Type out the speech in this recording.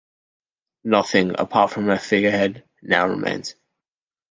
Nothing, apart from her figurehead, now remains.